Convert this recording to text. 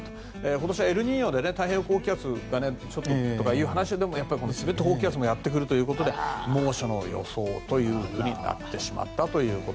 今年はエルニーニョで太平洋高気圧がなどとでもやっぱり、チベット高気圧もやってくるということで猛暑の予想ということになってしまったと。